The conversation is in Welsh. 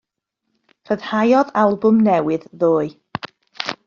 Rhyddhaodd albwm newydd ddoe.